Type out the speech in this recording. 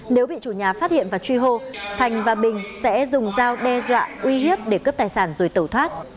nếu bị chủ nhà phát hiện và truy hô thành và bình sẽ dùng dao đe dọa uy hiếp để cướp tài sản rồi tẩu thoát